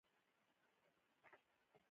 نوې نښه هم نه شو لګولی.